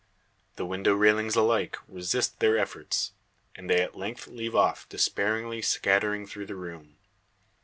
The window railings alike resist their efforts; and they at length leave off, despairingly scattering through the room.